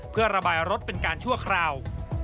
เพื่อระบายรถเป็นการชั่วคราว